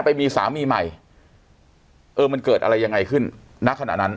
ไปมีสามีใหม่เออมันเกิดอะไรยังไงขึ้นณขณะนั้น